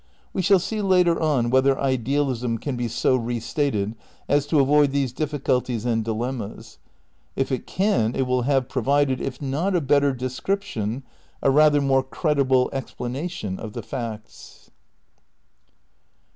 We shall see later on whether idealism can be so restated as to avoid these difficulties and dilemmas. If it can it will have provided, if not a better description, a rather more credible explanation of the facts.